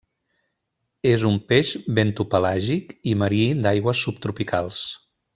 És un peix bentopelàgic i marí d'aigües subtropicals.